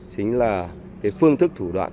chính là cái phương thức thủ đoạn